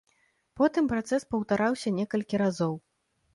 Потым працэс паўтараўся некалькі разоў.